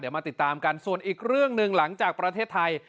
มาติดตามกันส่วนอีกเรื่องหนึ่งหลังจากประเทศไทย